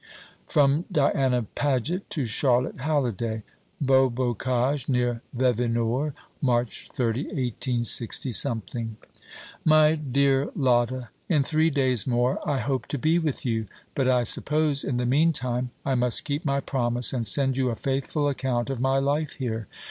From Diana Paget to Charlotte Halliday. Beaubocage, near Vevinord, March 30, 186 . MY DEAR LOTTA, In three days more I hope to be with you; but I suppose, in the meantime, I must keep my promise, and send you a faithful account of my life here.